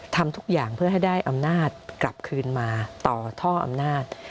ทำทุกอย่างเพื่อให้ได้อำนาจกลับคืนมาต่อท่ออำนาจ